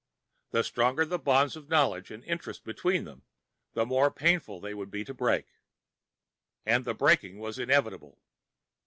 The stronger the bonds of knowledge and interest between them, the more painful they would be to break. And the breaking was inevitable.